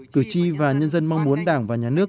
cử tri và nhân dân mong muốn đảng và nhà nước